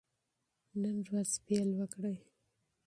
نن ورځ پیل وکړئ.